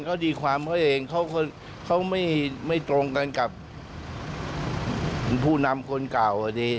เขาดีความเขาเองเขาไม่ตรงกันกับผู้นำคนเก่า